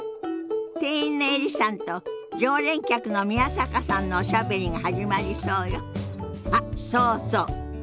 店員のエリさんと常連客の宮坂さんのおしゃべりが始まりそうよ。